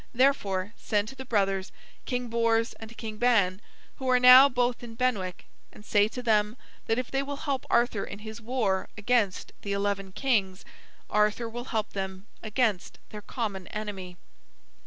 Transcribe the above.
Therefore, send to the brothers, King Bors and King Ban who are now both in Benwick, and say to them that if they will help Arthur in his war against the eleven kings, Arthur will help them against their common enemy."